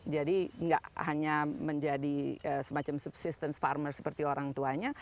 jadi tidak hanya menjadi semacam subsistence farmer seperti orang tuanya